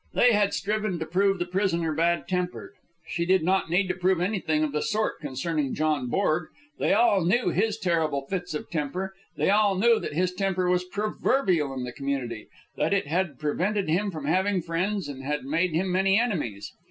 They had striven to prove the prisoner bad tempered. She did not need to prove anything of the sort concerning John Borg. They all knew his terrible fits of anger; they all knew that his temper was proverbial in the community; that it had prevented him having friends and had made him many enemies.